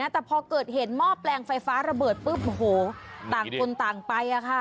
แต่พอเกิดเห็นหม้อแปลงไฟฟ้าระเบิดปุ๊บโอ้โหต่างคนต่างไป